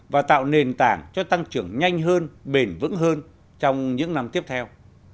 và tạo nền tảng cho tăng trưởng nhanh hơn bền vững hơn trong những năm tiếp theo